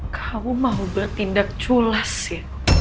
kamu mau bertindak culas ya